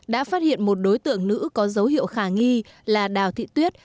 đã phát hiện một đối tượng nữ có dấu hiệu khả nghi là đào thị tuyết